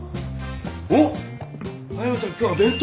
おっ速見さん今日は弁当？